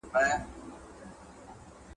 هم باغوان هم به مزدور ورته په قار سو `